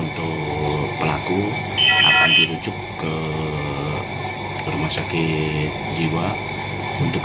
untuk menjawab pertanyaan bahwa tetap untuk pelaku akan dirujuk ke rumah sakit jiwa untuk